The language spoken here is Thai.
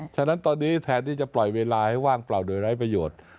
ฉะนั้นตอนนี้แทนที่จะปล่อยเวลาให้ว่างเปล่าโดยไร้ประโยชน์